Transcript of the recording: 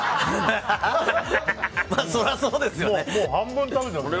まあ、そりゃそうですよね。